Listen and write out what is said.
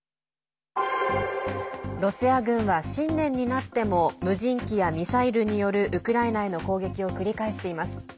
ロシア軍は新年になっても無人機やミサイルによるウクライナへの攻撃を繰り返しています。